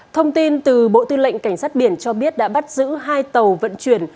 thông tin từ bộ tư lệnh cảnh sát biển cho biết đã bắt giữ hai tàu vận chuyển